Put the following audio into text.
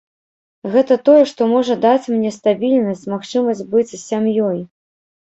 Гэта тое, што можа даць мне стабільнасць, магчымасць быць з сям'ёй.